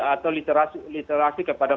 atau literasi literasi kepada